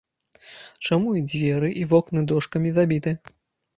Чаму і дзверы і вокны дошкамі забіты?